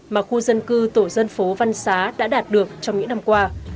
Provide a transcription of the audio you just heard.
mà khu dân cư tổ dân phố văn xá đã đạt được trong những năm qua